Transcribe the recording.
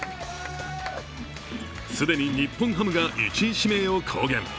既に日本ハムが１位指名を公言。